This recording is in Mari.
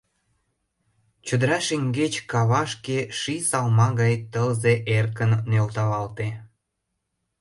Чодыра шеҥгеч кавашке ший салма гай тылзе эркын нӧлталалте.